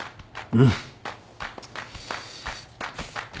うん。